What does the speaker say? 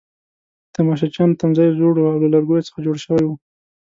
د تماشچیانو تمځای زوړ وو او له لرګو څخه جوړ شوی وو.